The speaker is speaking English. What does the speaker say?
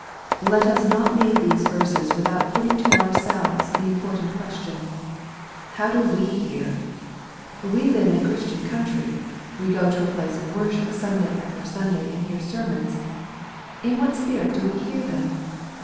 Let us not leave these verses without putting to our selves the important question, " How do we hear ?" We live in a Christian country. We go to a place of worship Sunday after Sunday, and hear sermons. In what spirit do we hear them